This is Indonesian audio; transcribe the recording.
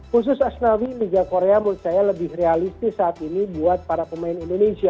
khusus asnawi liga korea menurut saya lebih realistis saat ini buat para pemain indonesia